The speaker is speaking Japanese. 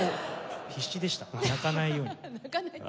必死でした泣かないように。